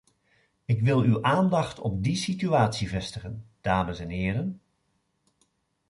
Ik wil uw aandacht op die situatie vestigen, dames en heren.